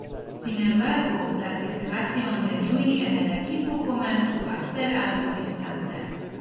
Sin embargo, la situación de Newey en el equipo comenzó a ser algo distante.